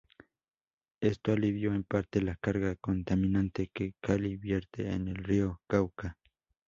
Esto alivió en parte la carga contaminante que Cali vierte en el río Cauca.